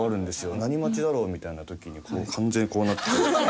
何待ちだろう？みたいな時に完全にこうなって。